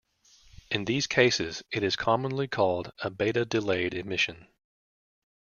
In these cases it is commonly called a "beta-delayed" emission.